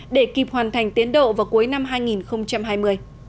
để kịp hoàn thành tiến độ vào cuối năm hai nghìn hai mươi